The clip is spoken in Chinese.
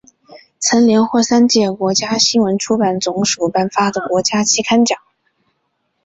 曾连获三届国家新闻出版总署颁发的国家期刊奖。